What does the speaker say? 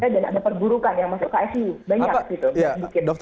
dan ada perburukan yang masuk ke icu banyak gitu